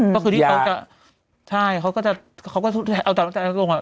ก็คือที่เขาจะใช่เขาก็จะเอาต่อมาจากนั้นลง